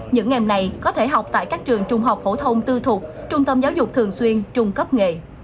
những em này có thể học tại các trường trung học phổ thông tư thuộc trung tâm giáo dục thường xuyên trung cấp nghề